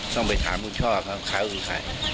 ต้องไปถามคุณช่อครับเขาคือใคร